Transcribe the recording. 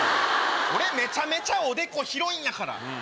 俺めちゃめちゃおでこ広いんやから。